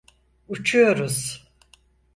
Uçuyoruz!